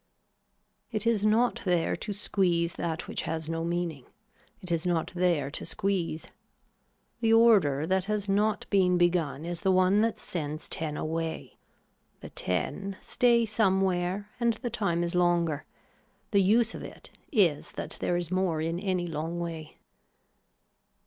It is not there to squeeze that which has no meaning, it is not there to squeeze. The order that has not been begun is the one that sends ten away. The ten stay some where and the time is longer. The use of it is that there is more in any long way.